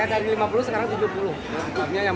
mungkin kemarin kan faktor hujan mungkin pertamanya